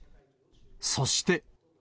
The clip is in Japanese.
そして。